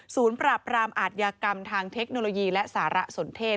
สูญปรับรามอาธิกรรมทางเทคโนโลยีและศาลสนเทศ